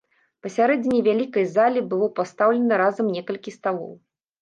Пасярэдзіне вялікай залі было пастаўлена разам некалькі сталоў.